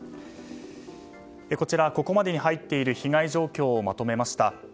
こちら、ここまでに入っている被害状況をまとめました。